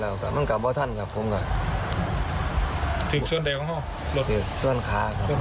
น้องนี่อีกสามคุณลดจริง